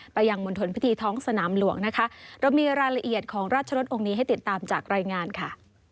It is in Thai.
ยังมณฑลพิธีท้องสนามหลวงนะคะเรามีรายละเอียดของราชรสองค์นี้ให้ติดตามจากรายงานค่ะ